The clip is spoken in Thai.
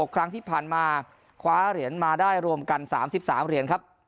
ครั้งที่ผ่านมาคว้าเหรียญมาได้รวมกัน๓๓เหรียญครับ